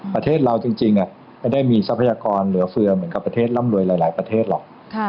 ประเทศเราจริงไม่ได้มีทรัพยากรเหลือเฟือเหมือนกับประเทศร่ำรวยหลายประเทศหรอก